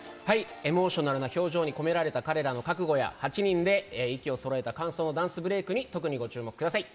エモーショナルな表情に込められた彼らの覚悟や８人で息をそろえた間奏のダンスブレイクに特にご注目ください。